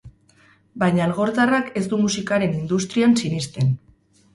Baina algortarrak ez du musikaren industrian sinisten.